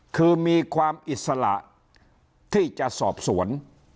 คือมีความอิสระที่จะสอบสวน